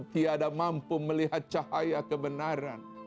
tiada mampu melihat cahaya kebenaran